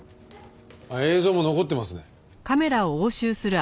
映像も残ってますね。